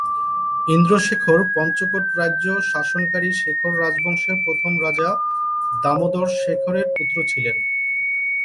ইন্দ্র শেখর পঞ্চকোট রাজ্য শাসনকারী শেখর রাজবংশের প্রথম রাজা দামোদর শেখরের পুত্র ছিলেন।